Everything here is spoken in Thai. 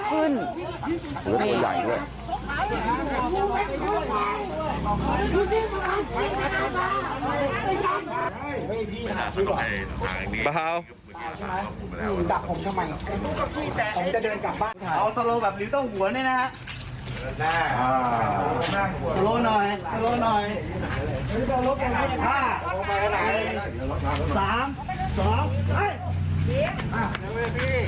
ถึงแบบนี้